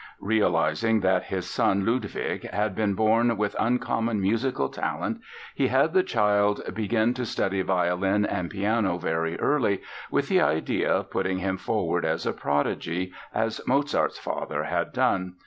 Realizing that his son Ludwig had been born with uncommon musical talent, he had the child begin to study violin and piano very early with the idea of putting him forward as a prodigy, as Mozart's father had done.